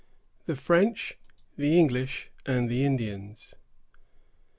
THE FRENCH, THE ENGLISH, AND THE INDIANS.